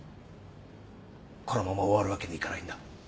このまま終わるわけにいかないんだ。